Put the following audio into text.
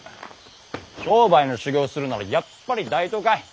商売の修業するならやっぱり大都会。